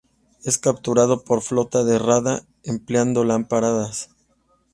Es capturado por flota de rada, empleando lámparas.